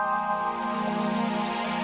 saya sudah mau ada pembawaan